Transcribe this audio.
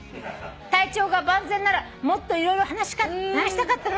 「体調が万全ならもっと色々話したかったのに」